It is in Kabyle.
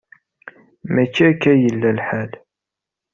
Mačči akka i yella lḥal.